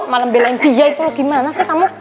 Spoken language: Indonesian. malah belain dia itu lo gimana sih kamu